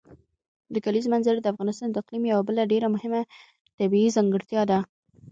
د کلیزو منظره د افغانستان د اقلیم یوه بله ډېره مهمه طبیعي ځانګړتیا ده.